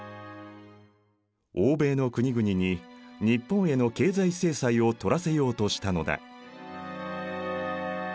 欧米の国々に日本への経済制裁を取らせようとしたのだ。